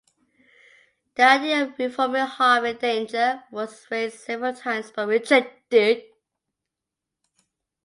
The idea of reforming Harvey Danger was raised several times, but rejected.